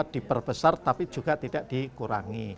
diperbesar tapi juga tidak dikurangi